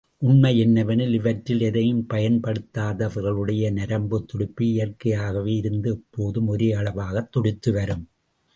உண்மை என்னவெனில், இவற்றில் எதையும் பயன்படுத்தாதவர்களுடைய நரம்புத் துடிப்பு இயற்கையாகவே இருந்து எப்போதும் ஒரே அளவாகத் துடித்துவரும்.